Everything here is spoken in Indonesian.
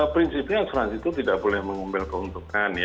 prinsipnya asuransi itu tidak boleh mengumpulkan